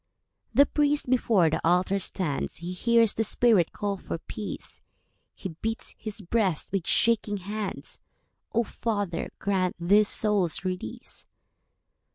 The priest before the altar stands, He hears the spirit call for peace; He beats his breast with shaking hands. "O Father, grant this soul's release.